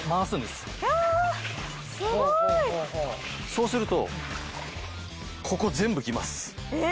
すごい！そうするとここ全部来ます。え！